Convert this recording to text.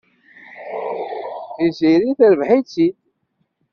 Tiziri terbeḥ-itt-id.